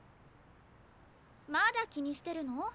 まだ気にしてるの？